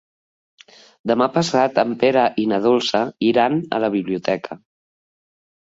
Demà passat en Pere i na Dolça iran a la biblioteca.